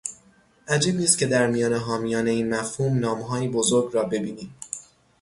عجیب نیست که در میان حامیان این مفهوم، نامهایی بزرگ را ببینیم